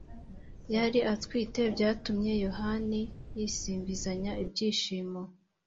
yari atwite, byatumye “yohani yisimbizanya ibyishimo